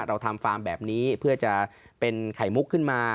เราทำฟาร์มแบบนี้เพื่อจะเป็นไข่มุกขึ้นมา